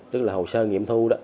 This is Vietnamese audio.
tức là hồ sơ nghiệm thu